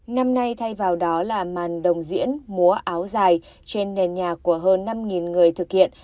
năm nay thay vào đó là màn đồng diễn múa áo dài trên nền nhà của hơn năm người thực hiện